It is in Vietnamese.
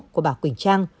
của bà quỳnh trang